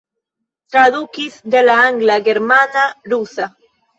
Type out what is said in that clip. Tradukis de la angla, germana, rusa.